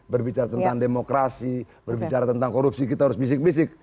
berbicara tentang demokrasi berbicara tentang korupsi kita harus bisik bisik